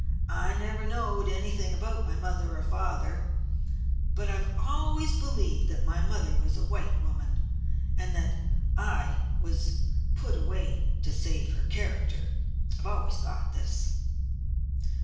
I never knowed anything about my mother or father, but I have always believed that my mother was a white woman, and that I was put away to save her character; I have always thought this.